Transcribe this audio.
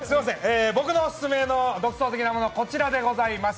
僕のオススメの独創的なものはこちらでございます。